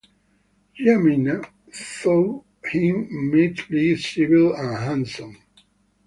Jemima thought him mighty civil and handsome.